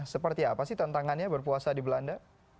seperti apa sih tantangannya berpuasa di belanda